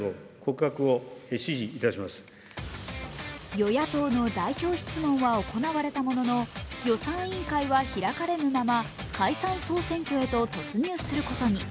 与野党の代表質問は行われたものの予算委員会は開かれぬまま解散総選挙へと突入することに。